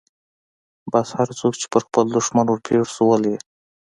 بس هرڅوک چې پر خپل دښمن ورپېښ سو ولي يې.